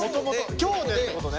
今日でってことね。